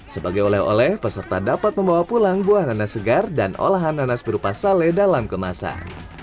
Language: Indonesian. sebagai oleh oleh peserta dapat membawa pulang buah nanas segar dan olahan nanas berupa sale dalam kemasan